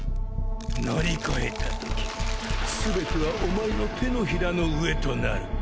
乗り越えた時全てはおまえの掌の上となる。